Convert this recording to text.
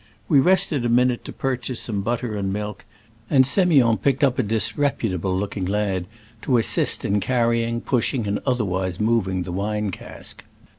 We rested a minute to purchase some butter and milk, and Semiond picked up a disre putable looking lad to assist in carry ing, pushing and otherwise moving the wine cask.